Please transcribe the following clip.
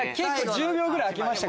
１０秒ぐらい空けました。